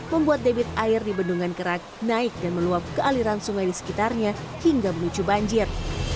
membuat debit air di bendungan kerak naik dan meluap ke aliran sungai di sekitarnya hingga memicu banjir